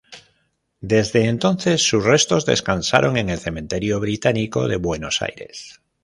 Desde entonces, sus restos descansan en el Cementerio Británico de Buenos Aires.